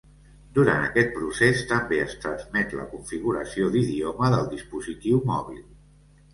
Durant aquest procés també es transmet la configuració d'idioma del dispositiu mòbil.